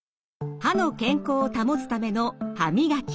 歯の健康を保つための歯磨き。